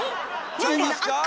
ちゃいますか？